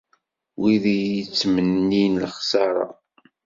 Wid i iyi-ittmennin lexsara.